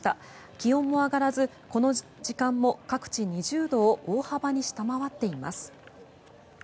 気温も上がらず、この時間も各地２０度を大幅に下回っています。